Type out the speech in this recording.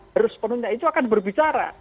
terus penuhnya itu akan berbicara